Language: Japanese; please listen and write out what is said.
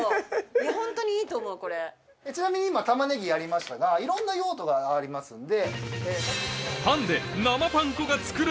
ちなみに今玉ねぎやりましたがいろんな用途がありますんで。